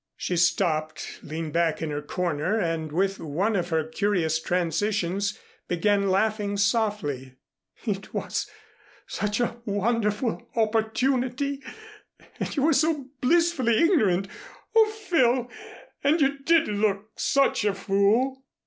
She stopped, leaned back in her corner and, with one of her curious transitions, began laughing softly. "It was such a wonderful opportunity and you were so blissfully ignorant! Oh, Phil, and you did look such a fool!"